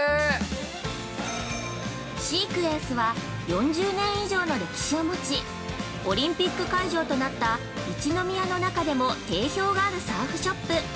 ◆ＳＥＱＵＥＮＣＥは４０年以上の歴史を持ち、オリンピック会場となった一宮の中でも定評があるサーフショップ。